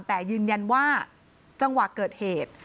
แต่ยืนยันว่าจังหวะเกิดเหตุ